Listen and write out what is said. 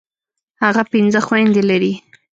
هغه پنځه خويندي لري.